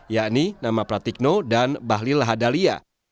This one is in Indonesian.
yakni nama pratikno dan bahlil hadalia